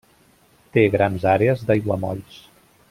Té grans àrees d'aiguamolls.